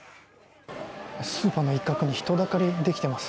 スーパーの一角に人だかりができています。